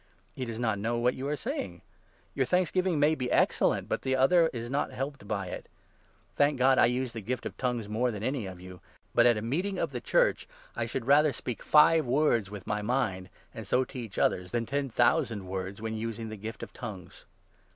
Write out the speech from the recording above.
He does not know what you are say ing ! Your thanksgiving may be excellent, but the other 17 is not helped by it. Thank God, I use the gift of ' tongues' 18 more than any of you. But at a meeting of the Church I 19 would rather speak five words with my mind, and so teach others, than ten thousand words when using the gift of ' tongues.